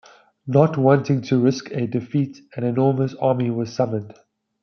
Not wanting to risk a defeat, an enormous army was summoned.